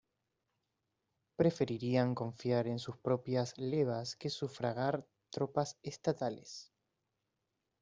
Preferían confiar en sus propias levas que sufragar tropas estatales.